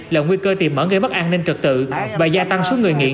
là nguy cơ tìm mở gây mất an ninh trật tự và gia tăng số người nghiện